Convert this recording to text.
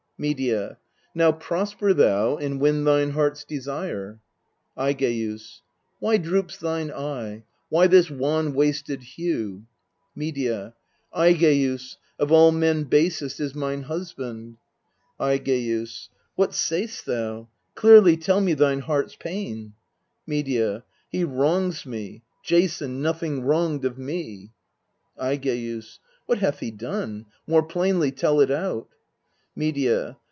Medea. Now prosper thou, and win thine heart's desire. Aigeus. Why droops thine eye? why this wan wasted hue ? Medea. Aigeus, of all men basest is mine husband. Aigeus. What say'st thou ? Clearly tell me thine heart's pain. Medea. He wrongs me Jason, nothing wronged of me. Aigeus. What hath he done? More plainly tell it out. Medea.